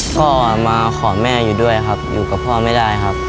ก็มาขอแม่อยู่ด้วยครับอยู่กับพ่อไม่ได้ครับ